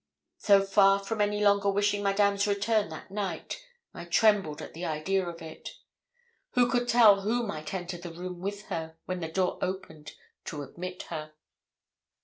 So far from any longer wishing Madame's return that night, I trembled at the idea of it. Who could tell who might enter the room with her when the door opened to admit her?